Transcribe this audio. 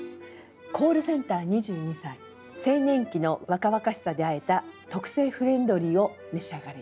「コールセンター２２歳青年期の若々しさで和えた特製フレンドリーを召し上がれ」。